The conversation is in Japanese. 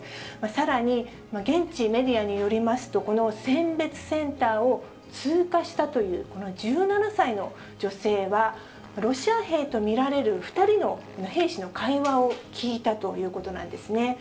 さらに、現地メディアによりますと、この選別センターを通過したという、この１７歳の女性は、ロシア兵と見られる２人の兵士の会話を聞いたということなんですね。